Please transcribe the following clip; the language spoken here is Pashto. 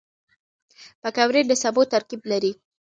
پکورې د سبو ترکیب لري